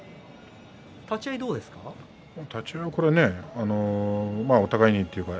立ち合い、どうですか？